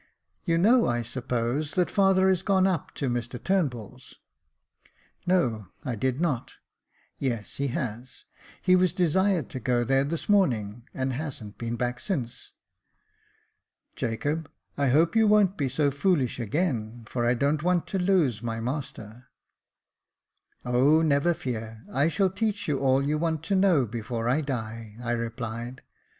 *' You know, I suppose, that father is gone up to Mr Turnbull's." "No, I did not." " Yes, he has ; he was desired to go there this morning, and hasn't been back since. Jacob, I hope you won't be so foolish again, for I don't want to lose my master^" " O, never fear ; I shall teach you all you want to know before I die," I replied.